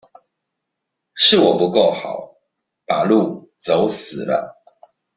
是我不夠好，把路走死了